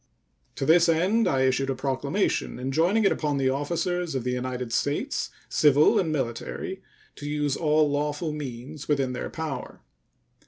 To this end I issued a proclamation enjoining it upon the officers of the United States, civil and military, to use all lawful means within their power.